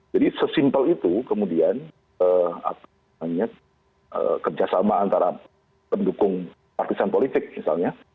jadi sesimpel itu kemudian kerjasama antara pendukung partisipan politik misalnya